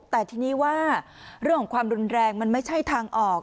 แต่ทีนี้ว่าเรื่องของความรุนแรงมันไม่ใช่ทางออก